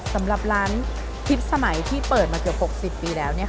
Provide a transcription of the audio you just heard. สำหรับร้านทิพย์สมัยที่เปิดมาเกือบ๖๐ปีแล้ว